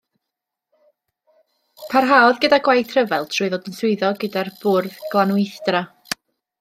Parhaodd gyda gwaith rhyfel trwy ddod yn swyddog gyda'r Bwrdd Glanweithdra.